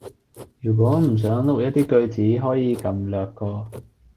如果唔想讀一啲句子，可以撳略過